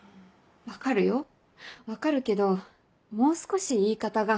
分かるよ分かるけどもう少し言い方が。